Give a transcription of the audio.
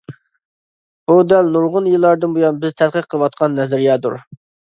بۇ دەل نۇرغۇن يىللاردىن بۇيان بىز تەتقىق قىلىۋاتقان نەزەرىيەدۇر.